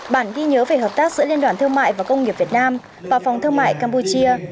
bản ghi nhớ về hợp tác giữa liên đoàn thương mại và công nghiệp việt nam và phòng thương mại campuchia